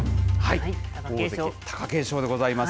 大関・貴景勝でございます。